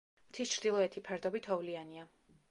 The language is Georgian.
მთის ჩრდილოეთი ფერდობი თოვლიანია.